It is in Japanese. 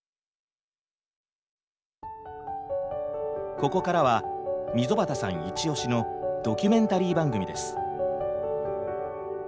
ここからは溝端さんイチオシのドキュメンタリー番組です。